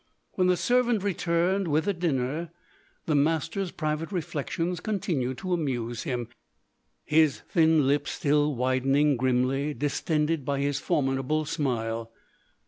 When the servant returned with the dinner, the master's private reflections continued to amuse him: his thin lips were still widening grimly, distended by his formidable smile.